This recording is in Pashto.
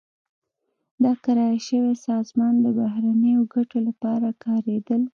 دا کرایه شوې سازمان د بهرنیو ګټو لپاره کارېدل.